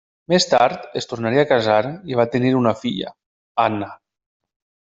Més tard es tornaria a casar i va tenir una filla, Anna.